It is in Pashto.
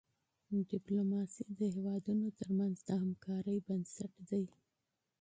ډيپلوماسي د هیوادونو ترمنځ د همکاری بنسټ دی.